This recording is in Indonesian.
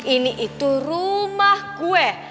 ini itu rumah gue